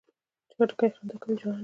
خټکی خندا کوي، ژړا نه.